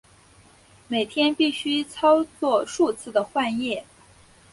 每天必须操作数次的换液。